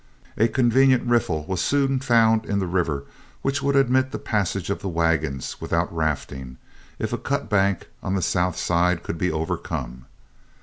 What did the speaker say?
A convenient riffle was soon found in the river which would admit the passage of the wagons without rafting, if a cut bank on the south side could be overcome.